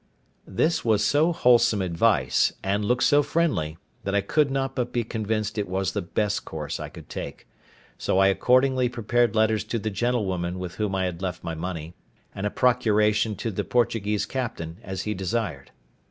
This was so wholesome advice, and looked so friendly, that I could not but be convinced it was the best course I could take; so I accordingly prepared letters to the gentlewoman with whom I had left my money, and a procuration to the Portuguese captain, as he desired.